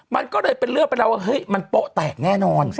มันก็เลยเป็นเรื่องไปแล้วว่าเฮ้ยมันโป๊ะแตกแน่นอน